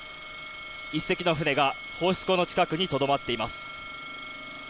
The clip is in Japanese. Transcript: １隻の船が放出口のそばにとどまっています。